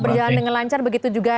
berjalan dengan lancar begitu juga